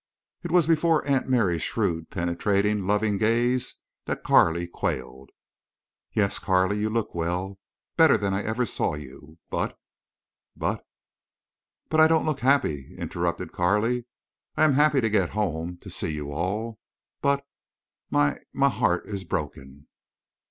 It was before Aunt Mary's shrewd, penetrating, loving gaze that Carley quailed. "Yes, Carley, you look well—better than I ever saw you, but—but—" "But I don't look happy," interrupted Carley. "I am happy to get home—to see you all... But—my—my heart is broken!"